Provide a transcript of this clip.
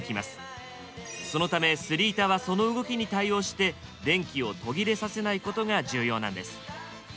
そのためすり板はその動きに対応して電気を途切れさせないことが重要なんです。